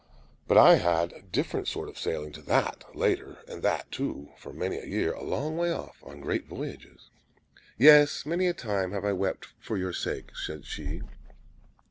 "'But I had a different sort of sailing to that, later; and that, too, for many a year; a long way off, on great voyages.' "'Yes, many a time have I wept for your sake,' said she.